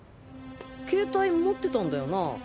携帯持ってたんだよな？